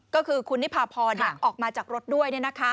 ก็คือคุณนิพาพรออกมาจากรถด้วย